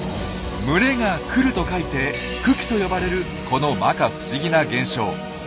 「群れが来る」と書いて「群来」と呼ばれるこのまか不思議な現象。